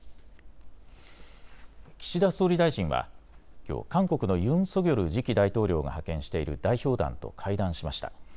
岸田総理大臣は、きょう韓国のユン・ソギョル次期大統領が派遣している代表団と会談しました。